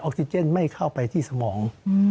ซิเจนไม่เข้าไปที่สมอง